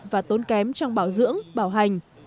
và tốn kém trong bảo dưỡng bảo hành